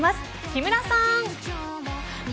木村さん。